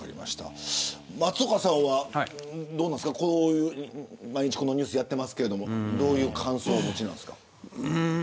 松岡さんはどうですかこういうニュース毎日やっていますけどどういう感想をお持ちですか。